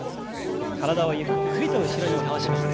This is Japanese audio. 体をゆっくりと後ろに倒します。